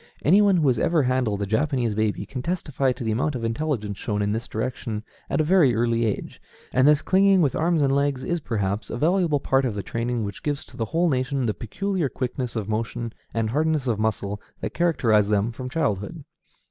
Any one who has ever handled a Japanese baby can testify to the amount of intelligence shown in this direction at a very early age; and this clinging with arms and legs is, perhaps, a valuable part of the training which gives to the whole nation the peculiar quickness of motion and hardness of muscle that characterize them from childhood.